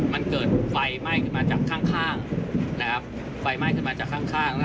มันเกิดไฟไหม้ขึ้นมาจากข้างนะครับไฟไหม้ขึ้นมาจากข้างข้าง